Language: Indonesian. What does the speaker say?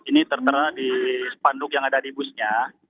ini tertera di spanduk yang ada di busnya